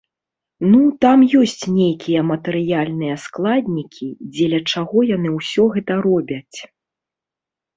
Ну, там ёсць нейкія матэрыяльныя складнікі, дзеля чаго яны ўсё гэта робяць.